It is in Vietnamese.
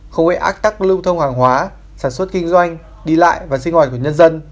không gây ác tắc lưu thông hàng hóa sản xuất kinh doanh đi lại và sinh hoạt của nhân dân